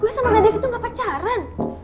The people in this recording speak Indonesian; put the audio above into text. gue sama radevi tuh gak pacaran